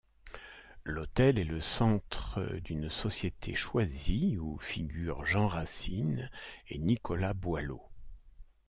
L'hôtel est le centre d'une société choisie, où figurent Jean Racine et Nicolas Boileau.